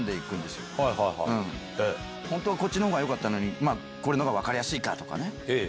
本当はこっちの方がよかったのにこれのが分かりやすいか！とか。